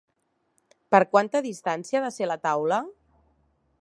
Per quanta distància ha de ser la taula?